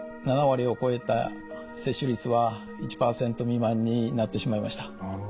７割を超えた接種率は１％未満になってしまいました。